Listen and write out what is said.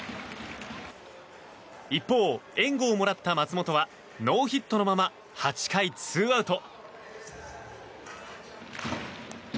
一方、援護をもらった松本はノーヒットのまま８回ツーアウト。